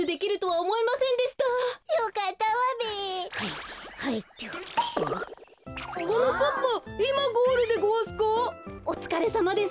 おつかれさまです。